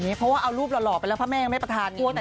พี่หนูไม่เคยเห็น